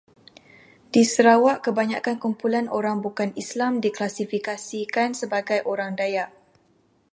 Di Sarawak, kebanyakan kumpulan orang bukan Islam diklasifikasikan sebagai orang Dayak.